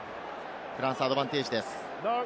フランス、アドバンテージです。